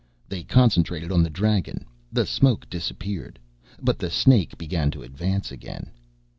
They concentrated on the dragon. The smoke disappeared. But the snake began to advance again.